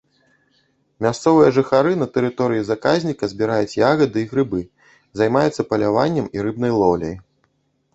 Мясцовыя жыхары на тэрыторыі заказніка збіраюць ягады і грыбы, займаюцца паляваннем і рыбнай лоўляй.